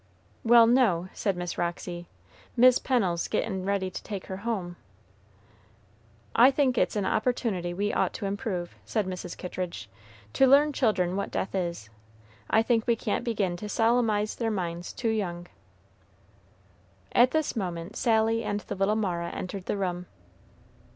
"Well, no," said Miss Roxy; "Mis' Pennel's gettin' ready to take her home." "I think it's an opportunity we ought to improve," said Mrs. Kittridge, "to learn children what death is. I think we can't begin to solemnize their minds too young." At this moment Sally and the little Mara entered the room.